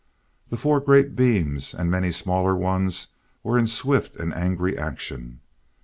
The four greater beams, and many smaller ones were in swift and angry action.